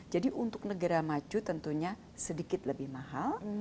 jadi untuk negara maju tentunya sedikit lebih mahal